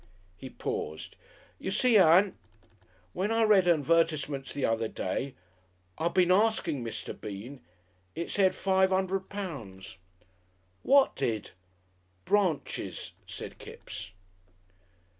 He paused. "You see, Ann "Well, I read 'n 'dvertisement the other day. I been asking Mr. Bean. It said five 'undred pounds." "What did?" "Branches," said Kipps.